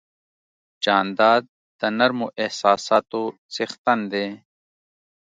جانداد د نرمو احساساتو څښتن دی.